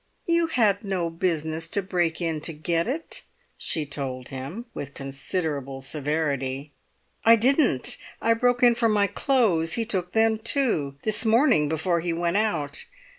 "You had no business to break in to get it," she told him, with considerable severity. "I didn't! I broke in for my clothes; he took them, too, this morning before he went out.